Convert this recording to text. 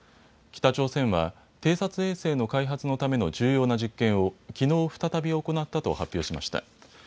北朝鮮は偵察衛星の開発のための重要な実験をきのう再び行ったと発表しました。